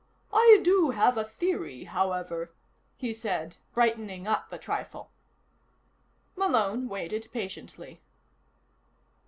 "I do have a theory, however," he said, brightening up a trifle. Malone waited patiently.